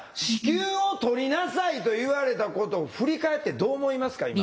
子宮を取りなさいと言われたことを振り返ってどう思いますか？